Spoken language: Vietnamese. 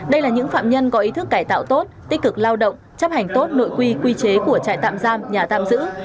đây là những phạm nhân có ý thức cải tạo tốt tích cực lao động chấp hành tốt nội quy quy chế của trại tạm giam nhà tạm giữ